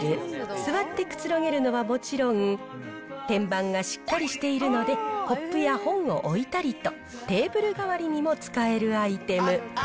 座ってくつろげるのはもちろん、天板がしっかりしているので、コップや本を置いたりと、テーブル代わりにも使えるアイテム。